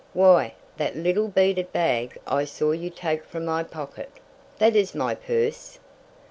"Why, that little beaded bag I saw you take from my pocket; that is my purse!"